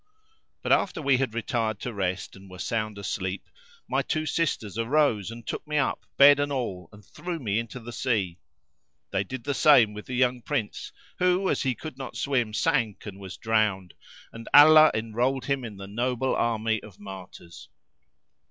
But after we had retired to rest and were sound alseep, my two sisters arose and took me up, bed and all, and threw me into the sea: they did the same with the young Prince who, as he could not swim, sank and was drowned and Allah enrolled him in the noble army of Martyrs.